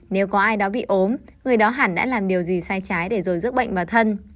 nếu có ai đó bị ốm người đó hẳn đã làm điều gì sai trái để rồi giấc bệnh vào thân